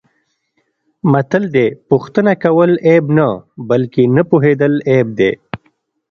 متل دی: پوښتنه کول عیب نه، بلکه نه پوهېدل عیب دی.